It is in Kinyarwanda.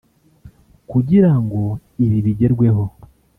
Kugira ngo ibi bigerweho